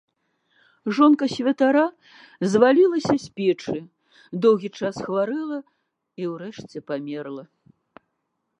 Жонка святара звалілася з печы, доўгі час хварэла і ўрэшце памерла.